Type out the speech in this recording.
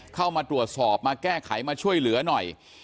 เข้ามาตรวจสอบมาแก้ไขมาช่วยเหลือหน่อย